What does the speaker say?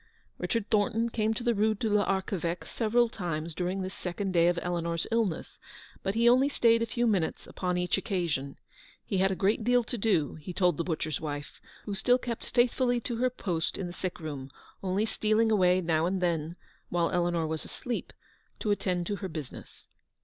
Richard Thornton came to the Rue de l'Arche veque several times during this second day of Eleanor's illness, but he only stayed a few minutes upon each occasion. He had a great deal to do, he told the butcher's wife, who still kept faith fully to her post in the sick room, only stealing away now and then, while Eleanor was asleep, to attend to her business.